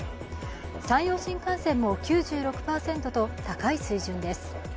山陽新幹線も９６％と高い水準です。